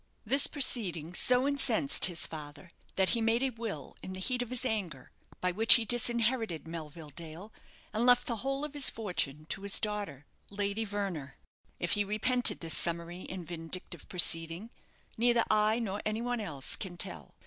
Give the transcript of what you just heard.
This proceeding so incensed his father that he made a will, in the heat of his anger, by which he disinherited Melville Dale, and left the whole of his fortune to his daughter, Lady Verner. If he repented this summary and vindictive proceeding, neither I nor any one else can tell.